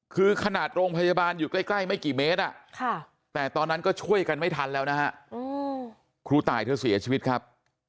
คือขนาดโรงพยาบาลอยู่ใกล้ไม่กี่เมตรแต่ตอนนั้นก็ช่วยกันไม่ทันแล้วนะฮะครูตายเธอเสียชีวิตครับ